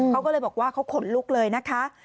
เขาก็เลยบอกว่าเขาขนลุกเลยนะคะ